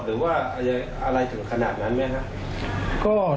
หรือว่าอะไรถึงขนาดนั้นไหมครับ